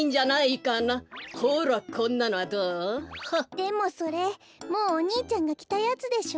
でもそれもうお兄ちゃんがきたやつでしょ？